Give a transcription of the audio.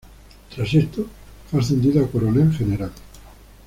Tras esto, fue ascendido a Coronel General.